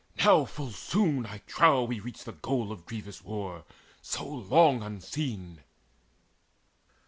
Now full soon, I trow, we reach The goal of grievous war, so long unseen."